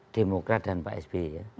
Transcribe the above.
demokrat dan pak sb